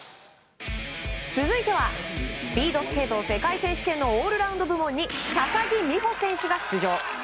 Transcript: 続いてはスピードスケート世界選手権のオールラウンド部門に高木美帆選手が出場。